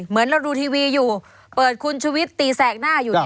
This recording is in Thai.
เหมือนเราดูทีวีอยู่เปิดคุณชุวิตตีแสกหน้าอยู่เนี่ย